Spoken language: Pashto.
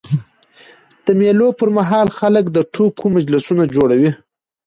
د مېلو پر مهال خلک د ټوکو مجلسونه جوړوي.